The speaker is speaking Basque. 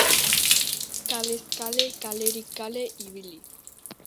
Kalez kale, kalerik kale ibili.